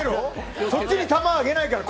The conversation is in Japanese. そっちに球あげないから。